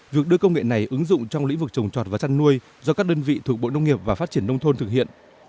việc đưa công nghệ này ứng dụng trong lĩnh vực trồng trọt và chăn nuôi do các đơn vị thuộc bộ nông nghiệp và phát triển nông thôn thực hiện